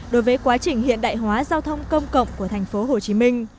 đối với quá trình hiện đại hóa giao thông công cộng của thành phố hồ chí minh